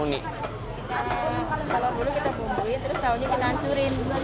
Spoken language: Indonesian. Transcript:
bulu kita bumbuin terus tahunya kita hancurin